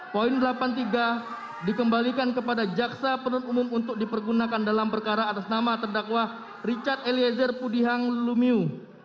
poin delapan puluh tiga dikembalikan kepada jaksa penuntut umum untuk dipergunakan dalam perkara atas nama terdakwa richard eliezer pudihang lumiu